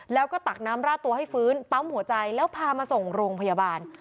แล้วก็ตักน้ำราดตัวให้ฟื้นปั๊มหัวใจแล้วพามาส่งโรงพยาบาล